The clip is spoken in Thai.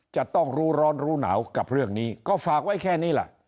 จะต้องรู้ร้อนรู้หนาวกับเรื่องนี้ก็ฝากไว้แค่นี้ล่ะ